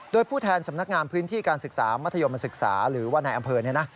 โดยผู้แทนสำนักงานพื้นที่การศึกษามัธยมศึกษาหรือว่าในอำเภอเนี่ยนะ